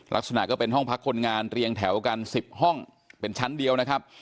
ลักษณะก็เป็นห้องพักคนงานเรียงแถวกัน๑๐ห้องเป็นชั้นเดียวนะครับ